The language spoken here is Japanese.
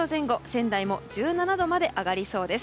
仙台も１７度まで上がりそうです。